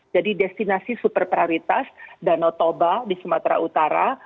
jadi destinasi super prioritas danau toba di sumatera utara